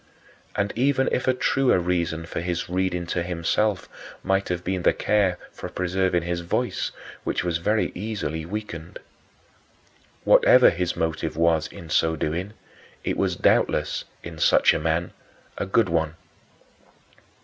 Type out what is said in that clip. And even a truer reason for his reading to himself might have been the care for preserving his voice, which was very easily weakened. Whatever his motive was in so doing, it was doubtless, in such a man, a good one.